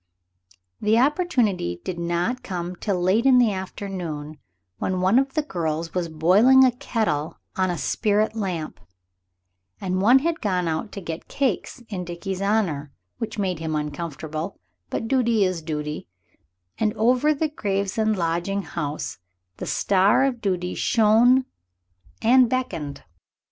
The opportunity did not come till late in the afternoon, when one of the girls was boiling a kettle on a spirit lamp, and one had gone out to get cakes in Dickie's honor, which made him uncomfortable, but duty is duty, and over the Gravesend lodging house the star of duty shone and beckoned.